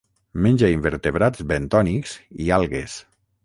Menja invertebrats bentònics i algues.